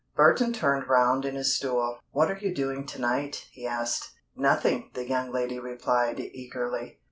Burton turned round in his stool. "What are you doing to night?" he asked. "Nothing," the young lady replied, eagerly.